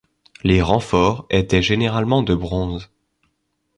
Les renforts étaient généralement de bronze.